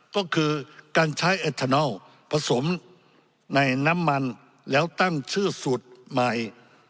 ก็คือการใช้แอทานอลผสมในน้ำมันแล้วตั้งชื่อสูตรใหม่